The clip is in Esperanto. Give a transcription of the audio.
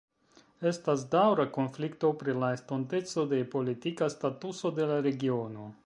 Estas daŭra konflikto pri la estonteco de politika statuso de la regiono.